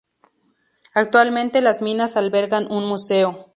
Actualmente las minas albergan un museo.